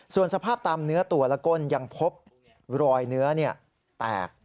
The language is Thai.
ส่วนสภาพตามเนื้อตัวและก้นยังพบรอยเนื้อแตก